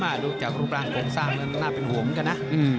มาดูจากลูกร้านคนสร้างน่าเป็นห่วงกันนะ